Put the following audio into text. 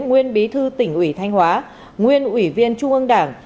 nguyên bí thư tỉnh ủy thanh hóa nguyên ủy viên trung ương đảng